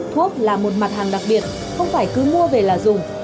thuốc là một mặt hàng đặc biệt không phải cứ mua về là dùng